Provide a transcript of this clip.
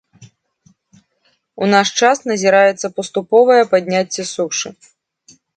У наш час назіраецца паступовае падняцце сушы.